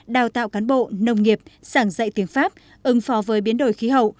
đào tạo cán bộ nông nghiệp sảng dạy tiếng pháp ứng phó với biến đổi khí hậu